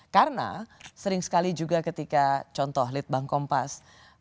karena sering sekali juga ketika contoh litbang kompas